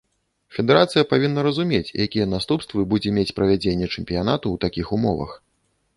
Федэрацыя павінна разумець, якія наступствы будзе мець правядзенне чэмпіянату ў такіх умовах.